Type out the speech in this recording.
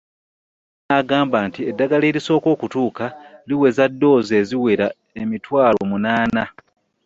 Ye n'agamba nti eddagala erisooka okutuuka liweza ddoozi eziwera emitwalo munaana